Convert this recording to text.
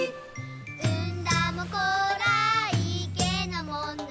「うんだもこらいけなもんな」